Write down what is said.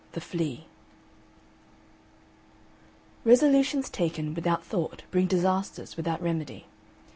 V THE FLEA Resolutions taken without thought bring disasters without remedy.